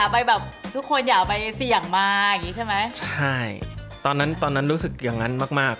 แบบทุกคนอยากไปสี่อย่างมาใช่ไหมใช่ตอนนั้นรู้สึกอย่างงั้นมาก